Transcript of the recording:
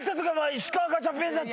石川ガチャピンだった。